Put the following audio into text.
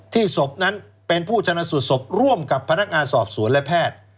ศพนั้นเป็นผู้ชนะสูตรศพร่วมกับพนักงานสอบสวนและแพทย์